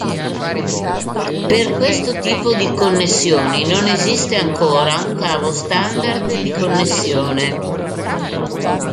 Per questo tipo di connessioni non esiste ancora un cavo standard di connessione.